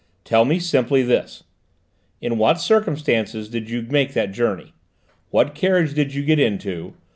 Tell me simply this: in what circumstances did you make that journey? What carriage did you get into?